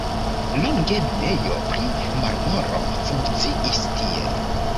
Longe minejo pri marmoro funkciis tie.